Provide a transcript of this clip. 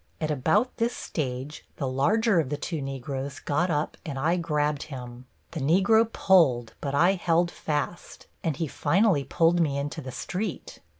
At about this stage the larger of the two Negroes got up and I grabbed him. The Negro pulled, but I held fast, and he finally pulled me into the street.